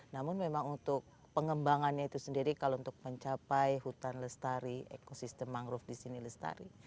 namun memang untuk pengembangannya itu sendiri kalau untuk mencapai hutan lestari ekosistem mangrove di sini lestari